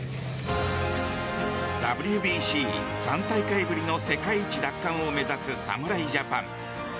ＷＢＣ３大会ぶりの世界一奪還を目指す侍ジャパン。